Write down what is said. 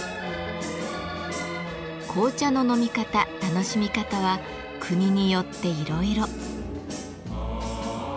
紅茶の飲み方楽しみ方は国によっていろいろ。